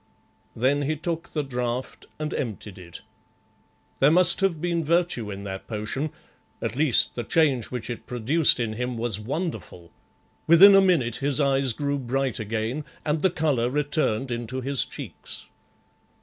Then he took the draught and emptied it. There must have been virtue in that potion; at least, the change which it produced in him was wonderful. Within a minute his eyes grew bright again, and the colour returned into his cheeks.